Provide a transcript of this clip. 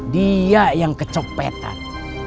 dia yang kecopetan